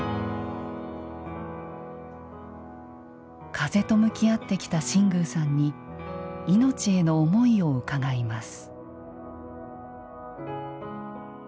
風と向き合ってきた新宮さんにいのちへの思いを伺います。